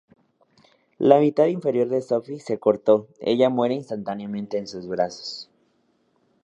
La mitad inferior de Sofi se cortó, ella muere instantáneamente en sus brazos.